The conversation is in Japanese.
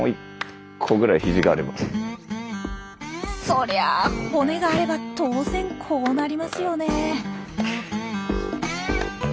そりゃあ骨があれば当然こうなりますよねえ。